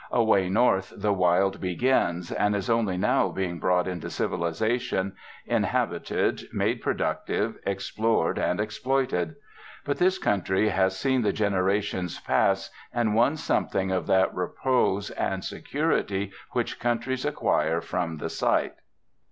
Away north the wild begins, and is only now being brought into civilisation, inhabited, made productive, explored, and exploited. But this country has seen the generations pass, and won something of that repose and security which countries acquire from the sight.